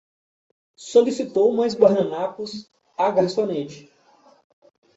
Solicitou mais guardanapos à garçonete